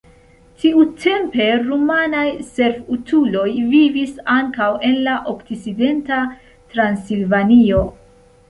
Tiutempe rumanaj servutuloj vivis ankaŭ en la okcidenta Transilvanio.